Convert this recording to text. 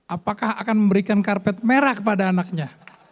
apakah akan memberikan karpet merah kepada anaknya